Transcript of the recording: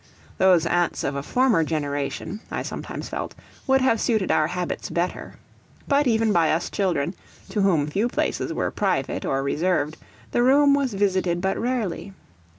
Those aunts of a former generation I sometimes felt would have suited our habits better. But even by us children, to whom few places were private or reserved, the room was visited but rarely.